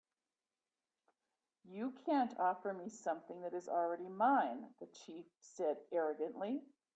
"You can't offer me something that is already mine," the chief said, arrogantly.